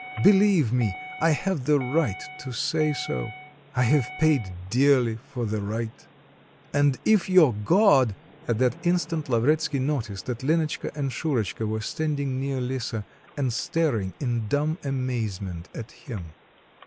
Believe me, I have the right to say so; I have paid dearly for the right. And if your God ." At that instant Lavretsky noticed that Lenotchka and Shurotchka were standing near Lisa, and staring in dumb amazement at him.